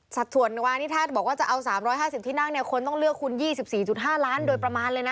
สักส่วนวันนี้ถ้าบอกว่าจะเอาสามร้อยห้าสิบที่นั่งเนี่ยคนต้องเลือกคุณยี่สิบสี่จุดห้าล้านโดยประมาณเลยนะ